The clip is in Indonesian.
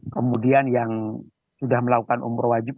kemudian yang sudah melakukan umroh wajib